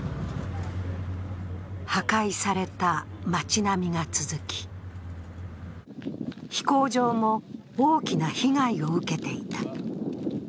破壊された街並みが続き、飛行場も大きな被害を受けていた。